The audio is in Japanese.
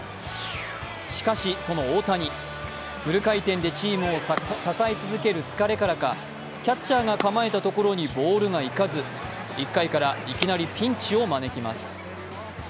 しかし、その大谷フル回転でチームを支え続ける疲れからか、キャッチャーが構えたところにボールがいかず、１回からいきなりピンチを招きます。